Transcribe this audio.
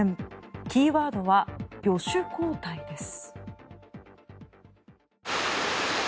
キーワードは魚種交代です。